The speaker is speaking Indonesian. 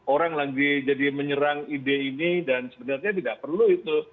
orang lagi jadi menyerang ide ini dan sebenarnya tidak perlu itu